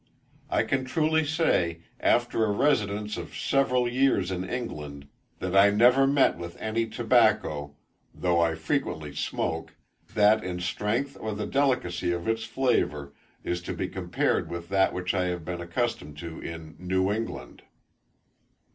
I can truly say, after a residence of several years in England, that I never met with any tobacco, though I frequently smoke, that in strength or the delicacy of its flavour, is to be compared with that which I have been accustomed to in New England.